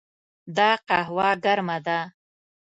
دا قهوه ګرمه ده.